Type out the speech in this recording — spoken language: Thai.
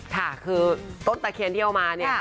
ค่ะคือต้นตะเคียนที่เอามาเนี่ย